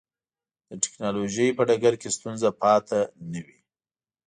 د ټکنالوجۍ په ډګر کې ستونزه پاتې نه وي.